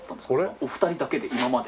お二人だけで今まで。